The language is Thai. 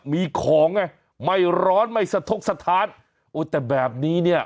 มีของไงไม่ร้อนไม่สะทกสถานโอ้แต่แบบนี้เนี่ย